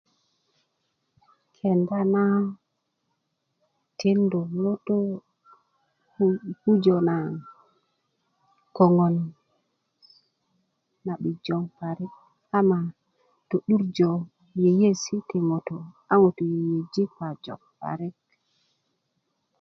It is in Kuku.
kenda na tindu ŋutu i pujö na koŋön na 'bijö parik ama to'durjo yeyesi ti ŋutu a ŋutu yeyeji pajö parik